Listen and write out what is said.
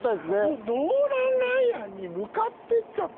ノーラン・ライアンに向かっていっちゃった